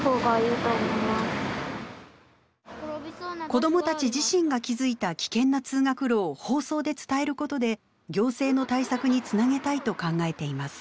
子どもたち自身が気付いた危険な通学路を放送で伝えることで行政の対策につなげたいと考えています。